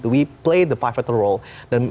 kita memainkan peran kelima